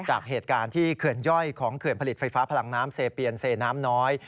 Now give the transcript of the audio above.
จากเหตุการณ์ที่เขื่อนย่อยของเขื่อนผลิตไฟฟ้าพลังน้ำเซเปียนเซน้ำน้อย